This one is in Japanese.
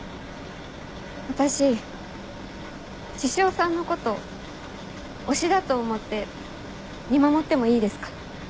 私獅子王さんのこと「推し」だと思って見守ってもいいですか？